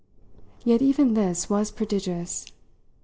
Yet even this was prodigious.